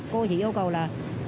cô chỉ yêu cầu là